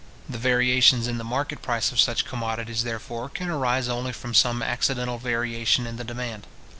The variations in the market price of such commodities, therefore, can arise only from some accidental variation in the demand.